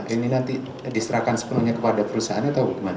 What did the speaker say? ini nanti diserahkan sepenuhnya kepada perusahaan atau bagaimana